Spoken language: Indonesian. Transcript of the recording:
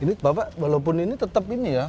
ini bapak walaupun ini tetap ini ya